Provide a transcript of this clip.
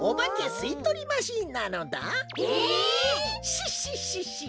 シッシッシッシッ！